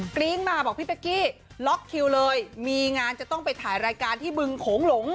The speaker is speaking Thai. รี๊งมาบอกพี่เป๊กกี้ล็อกคิวเลยมีงานจะต้องไปถ่ายรายการที่บึงโขงหลง